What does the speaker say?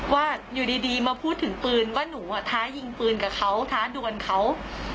ว่าอยู่ดีมาพูดถึงปืนว่าหนูท้ายิงปืนกับเขาท้าดวนเขา